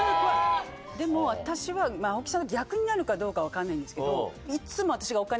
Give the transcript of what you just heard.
でも私は青木さんの逆になるかどうか分かんないんですけど。